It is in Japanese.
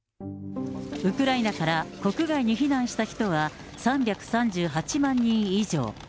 ウクライナから国外に避難した人は３３８万人以上。